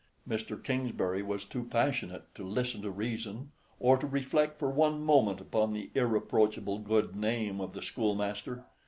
Mr. Kingsbury was too passionate to listen to reason, or to reflect for one moment upon the irreproachable good name of the schoolmaster.